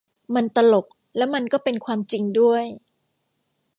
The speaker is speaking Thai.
มันตลกและมันก็เป็นความจริงด้วย